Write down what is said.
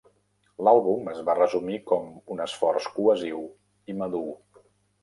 L'àlbum es va resumir com "un esforç cohesiu i madur".